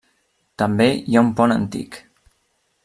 També hi ha un pont antic.